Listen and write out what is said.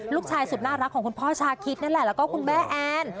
ลูกชายสุดน่ารักของคุณพ่อชาคิดนั่นแหละแล้วก็คุณแม่แอน